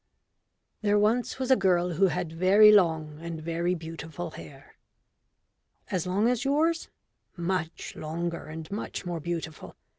] There once was a girl who had very long and very beautiful hair. (_As long as yours? Much longer and much more beautiful.